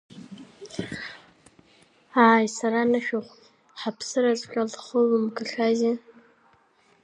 Ааи, сара анышәахә, хаԥсыраҵәҟьа лхылымгахьеи…